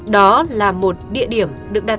đó là một địa điểm được đặt